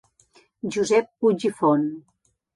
Josep Puig i Font.